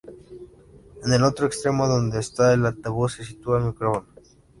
En el otro extremo, donde está el altavoz, se sitúa el micrófono.